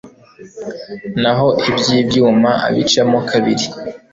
naho iby'ibyuma abicemo kabiri